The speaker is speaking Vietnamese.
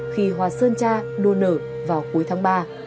khi hoa sơn cha đua nở vào cuối tháng ba